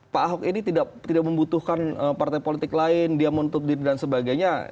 pak ahok ini tidak membutuhkan partai politik lain dia menutup diri dan sebagainya